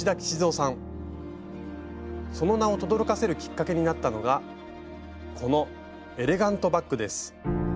その名をとどろかせるきっかけになったのがこの「エレガントバッグ」です。